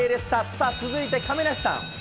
さあ、続いて亀梨さん。